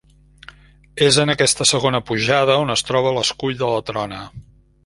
És en aquesta segona pujada on es troba l’escull de la Trona.